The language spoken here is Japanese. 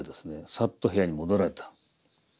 サッと部屋に戻られた。